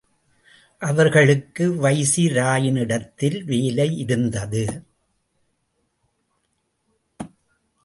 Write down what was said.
அவர்களுக்கு வைசிராயினிடத்தில் வேலை இருந்தது.